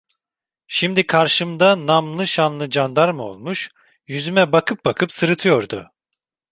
Şimdi karşımda namlı şanlı candarma olmuş, yüzüme bakıp bakıp sırıtıyordu.